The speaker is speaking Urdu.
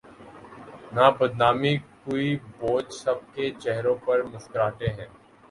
نہ بدنامی کوئی بوجھ سب کے چہروں پر مسکراہٹیں ہیں۔